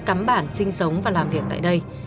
cắm bản sinh sống và làm việc tại đây